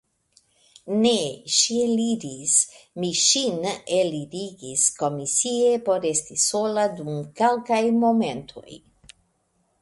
Ne, ŝi eliris; mi ŝin elirigis komisie por esti sola dum kelkaj momentoj.